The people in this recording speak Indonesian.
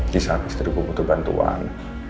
di saat istri gue butuh bantuan